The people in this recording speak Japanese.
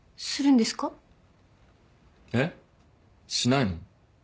えっ？しないの？